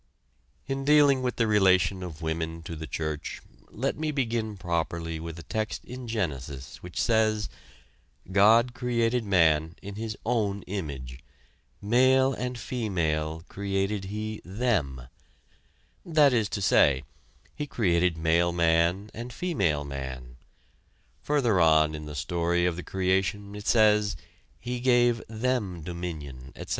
In dealing with the relation of women to the church, let me begin properly with a text in Genesis which says: "God created man in his _own _image ... male and female created he them." That is to say, He created male man and female man. Further on in the story of the creation it says: "He gave them dominion, etc."